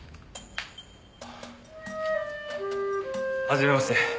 初めまして。